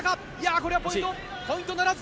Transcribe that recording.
これはポイントならず。